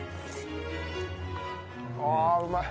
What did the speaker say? ああうまい。